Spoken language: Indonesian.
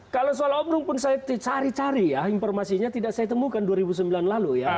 kalau soal omrung pun saya cari cari ya informasinya tidak saya temukan dua ribu sembilan lalu ya